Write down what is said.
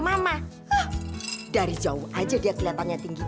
mama dari jauh aja dia kelihatannya tinggi